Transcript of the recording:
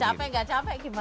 capek gak capek gimana